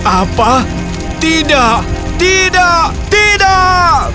apa tidak tidak tidak